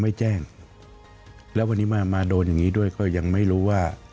ไม่แจ้งแล้ววันนี้มามาโดนอย่างนี้ด้วยก็ยังไม่รู้ว่า